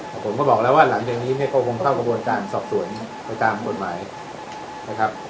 เพราะว่าหลังจากนี้เนี่ยก็คงเข้ากับวงการสอบส่วนไปตามกฎหมายนะครับ